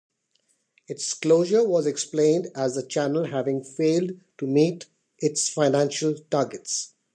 Its closure was explained as the channel having failed to meet its financial targets.